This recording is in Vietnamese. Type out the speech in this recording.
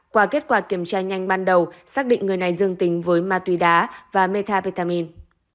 qua kết quả kiểm tra nhanh ban đầu xác định người này dương tình với ma tùy đá và methamphetamine